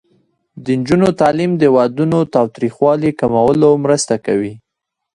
د نجونو تعلیم د ودونو تاوتریخوالي کمولو مرسته کوي.